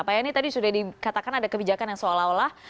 pak yani tadi sudah dikatakan ada kebijakan yang seolah olah